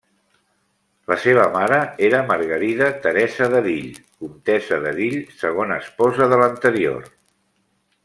La seva mare era Margarida Teresa d'Erill, comtessa d'Erill, segona esposa de l'anterior.